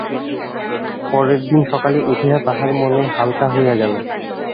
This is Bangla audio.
পরের দিন সকালে উঠিয়া তাহার মন হালকা হইয়া গেল।